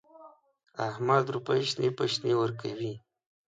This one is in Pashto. احمد روپۍ شنې په شنې ورکوي.